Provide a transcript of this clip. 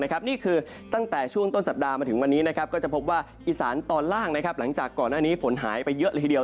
นี่คือตั้งแต่ช่วงต้นสัปดาห์มาถึงวันนี้ก็จะพบว่าอีสานตอนล่างหลังจากก่อนหน้านี้ฝนหายไปเยอะเลยทีเดียว